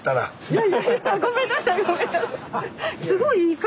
いやいやいやごめんなさいごめんなさい。